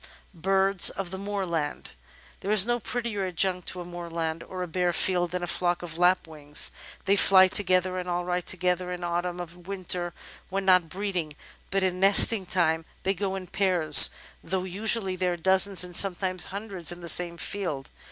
Birds of the Moorland There is no prettier adjunct to a moorland, or a bare field, than a flock of Lapwings. They fly together and alight together in Autumn and Winter when not breeding, but in nesting time they go in pairs, though usually there are dozens and sometimes hundreds in the same field.